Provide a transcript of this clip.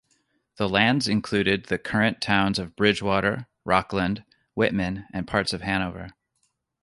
The lands included the current towns of Bridgewater, Rockland, Whitman, and parts of Hanover.